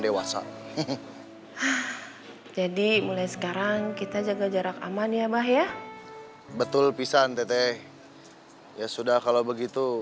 dewasa jadi mulai sekarang kita jaga jarak aman ya mbah ya betul pisah ntt ya sudah kalau begitu